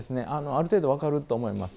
ある程度分かると思います。